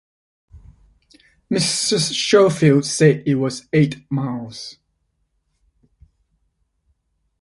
Mrs. Schofield said it was eight miles.